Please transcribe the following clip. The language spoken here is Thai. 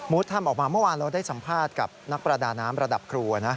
ทำออกมาเมื่อวานเราได้สัมภาษณ์กับนักประดาน้ำระดับครัวนะ